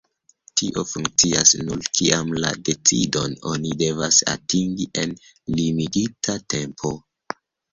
Tio funkcias nur, kiam la decidon oni devas atingi en limigita tempo.